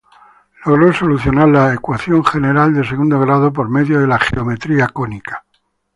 Logró solucionar la ecuación general de segundo grado por medio de la geometría cónica.